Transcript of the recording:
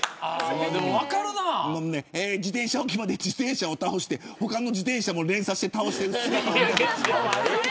自転車置き場で自転車を倒して他の自転車も連鎖して倒している。